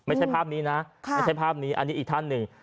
ไม่ใช่ภาพนี้นะอันนี้อีกท่านหนึ่ง